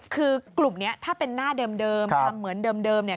คือกลุ่มนี้ถ้าเป็นหน้าเดิมทำเหมือนเดิมเนี่ย